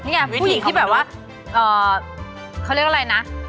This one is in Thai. นี่ไงผู้หญิงที่แบบว่าเขาเรียกอะไรนะ